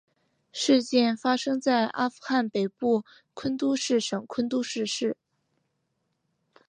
事件发生在阿富汗北部昆都士省昆都士市。